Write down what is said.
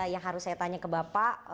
yang harus saya tanya ke bapak